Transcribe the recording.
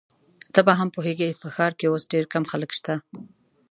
ته به هم پوهیږې، په ښار کي اوس ډېر کم خلک شته.